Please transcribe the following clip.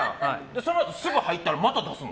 そのあとすぐ入ったらまた出すの？